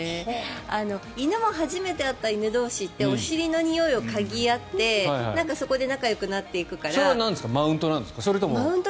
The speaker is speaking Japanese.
犬も初めて会った犬同士ってお尻のにおいを嗅ぎ合ってそこで仲よくなっていくから。